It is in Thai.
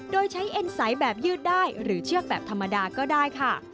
โดยใช้เอ็นใสแบบยืดได้หรือเชือกแบบธรรมดาก็ได้ค่ะ